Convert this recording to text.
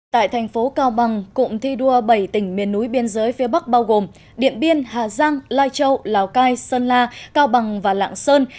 tại thành phố cao bằng cụm thi đua bảy tỉnh miền núi biên giới phía bắc bao gồm điện biên hà giang lai châu lào cai sơn la cao bằng và lạng sơn